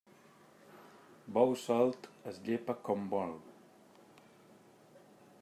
Bou solt es llepa com vol.